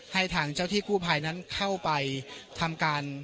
ให้ทางเจ้าที่กู้ภัยนั้นเข้าไปทำการ